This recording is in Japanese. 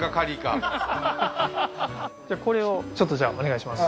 じゃあこれをちょっとじゃあお願いします